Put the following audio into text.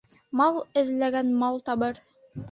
Мал эҙләгән мал табыр.